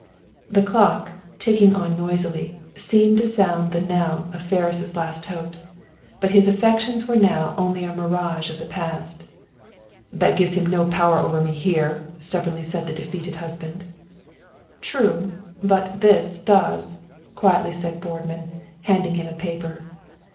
The clock, ticking on noisily, seemed to sound the knell of Ferris' last hopes. But his affections were now only a mirage of the past. "That gives him no power over me here," stubbornly said the defeated husband. "True; but THIS does," quietly said Boardman, handing him a paper.